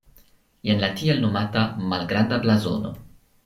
Jen la tiel nomata "malgranda blazono".